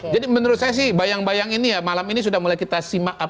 jadi menurut saya sih bayang bayang ini ya malam ini sudah mulai kita simak